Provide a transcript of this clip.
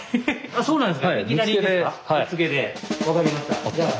そうなんです。